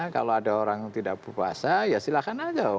kalau ada orang yang tidak berpuasa ya silakan aja